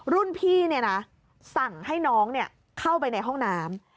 รุ่นพี่สั่งให้น้องเข้าไปในห้องน้ำ